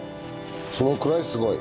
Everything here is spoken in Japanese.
そのくらいすごい。